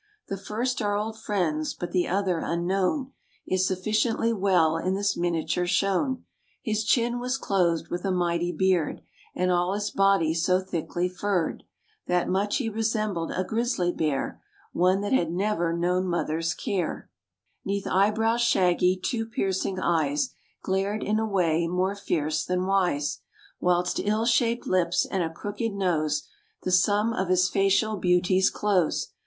The first are old friends; but the other, unknown, Is sufficiently well in this miniature shown. His chin was clothed with a mighty beard, And all his body so thickly furred, That much he resembled a grizzly bear One that had never known mother's care; [Illustration: THE PEASANT OF THE DANUBE.] 'Neath eyebrows shaggy, two piercing eyes Glared in a way more fierce than wise; Whilst ill shaped lips and a crooked nose, The sum of his facial beauties close.